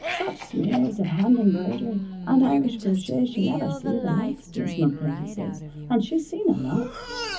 Such smears av hand embridery an' Irish crochet she never see th' likes, Mis' Mulcahy says, and she's seen a lot.